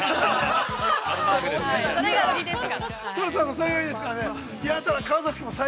◆それが売りですから、はい。